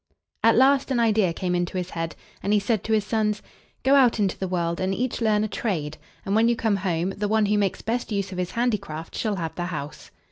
At last an idea came into his head, and he said to his sons: "Go out into the world, and each learn a trade, and when you come home, the one who makes best use of his handicraft shall have the house."